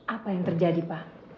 apa yang terjadi pak